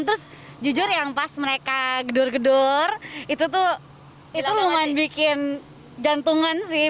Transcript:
terus jujur yang pas mereka gedor gedor itu tuh lumayan bikin jantungan sih